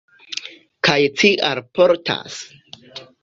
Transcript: Kaj ci alportas?